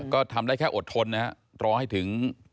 ก็ทำได้แค่อดทนรอให้ถึง